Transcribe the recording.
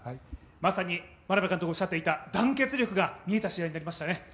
まさに眞鍋監督がおっしゃっていた団結力が見えた試合になりましたね。